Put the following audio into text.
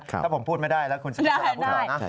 ถ้าผมพูดไม่ได้แล้วคุณสิทธิ์จะพูดหม่อนะ